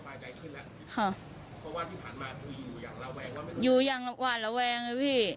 เพราะว่าที่ผ่านมาคุณอยู่อย่างระแวงว่าอยู่อย่างกว่าระแวงเลยพี่